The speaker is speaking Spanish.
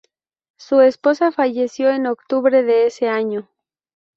Su esposa falleció en octubre de ese año.